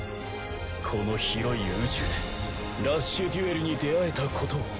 この広い宇宙でラッシュデュエルに出会えたことを。